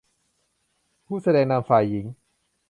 ผู้แสดงนำฝ่ายหญิง